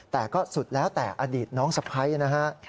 แต่ก็สุดแล้วแต่อดีตน้องสะพ้ายนะฮะ